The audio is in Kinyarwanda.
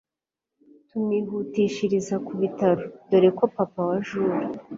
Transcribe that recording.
tumwihutishiriza kubitaro dore ko papa wa Jule